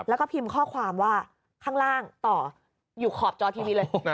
แล้วก็พิมพ์ข้อความว่าข้างล่างต่ออยู่ขอบจอทีวีเลย